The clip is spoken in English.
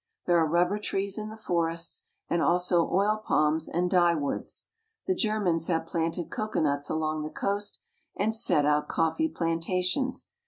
There are rubber trees in the forests and also oil palms and dyewoods. The Ger mans have planted cocoanuts along the coast and set out coffee plantations.